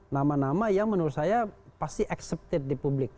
nama nama yang menurut saya pasti excepted di publik